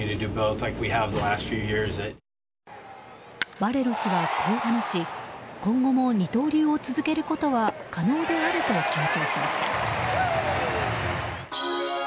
バレロ氏はこう話し今後も二刀流を続けることは可能であると強調しました。